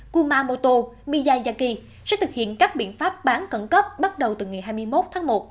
kumamoto miyaki sẽ thực hiện các biện pháp bán cẩn cấp bắt đầu từ ngày hai mươi một tháng một